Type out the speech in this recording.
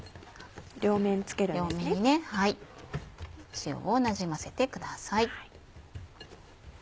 塩をなじませてください。